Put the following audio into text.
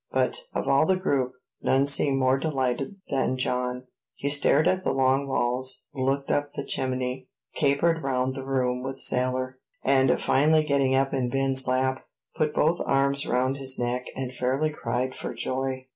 But, of all the group, none seemed more delighted than John. He stared at the log walls, looked up the chimney, capered round the room with Sailor, and finally getting up in Ben's lap, put both arms round his neck, and fairly cried for joy.